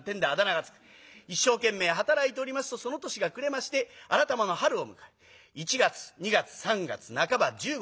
一生懸命働いておりますとその年が暮れましてあらたまの春を迎え一月二月三月半ば十五日。